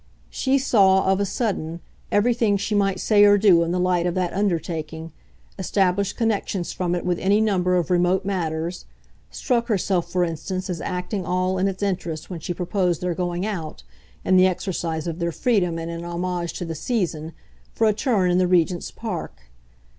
She saw, of a sudden, everything she might say or do in the light of that undertaking, established connections from it with any number of remote matters, struck herself, for instance, as acting all in its interest when she proposed their going out, in the exercise of their freedom and in homage to the season, for a turn in the Regent's Park.